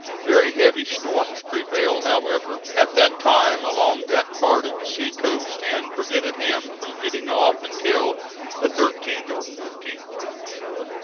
Very heavy storms prevailed, however, at that time along that part of the sea coast, and prevented him from getting off until the 13th or 14th.